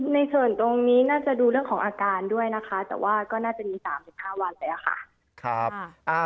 ในส่วนตรงนี้น่าจะดูเรื่องของอาการด้วยนะคะแต่ว่าก็น่าจะมี๓๕วันไปค่ะ